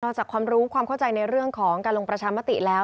จากความรู้ความเข้าใจในเรื่องของการลงประชามติแล้ว